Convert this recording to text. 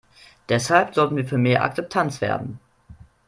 Deshalb sollten wir für mehr Akzeptanz werben.